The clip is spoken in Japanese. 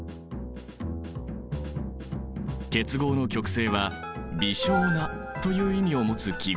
結合の極性は微小なという意味を持つ記号